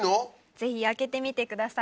ぜひ開けてみてください。